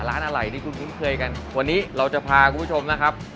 ร้านอะไรที่คุณคุ้นเคยกันวันนี้เราจะพาคุณผู้ชมนะครับ